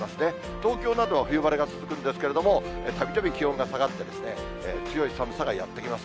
東京などは冬晴れが続くんですけれども、たびたび気温が下がってですね、強い寒さがやって来ます。